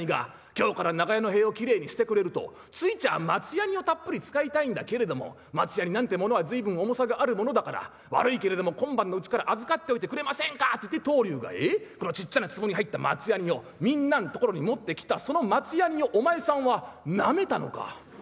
今日から長屋の塀をきれいにしてくれるとついちゃあ松ヤニをたっぷり使いたいんだけれども松ヤニなんてものは随分重さがあるものだから悪いけれども今晩のうちから預かっといてくれませんかって棟梁がこのちっちゃな壺に入った松ヤニをみんなの所に持ってきたその松ヤニをお前さんはなめたのか。